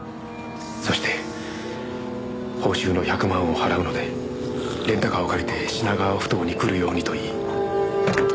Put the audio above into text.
そして報酬の１００万を払うのでレンタカーを借りて品川埠頭に来るようにと言い。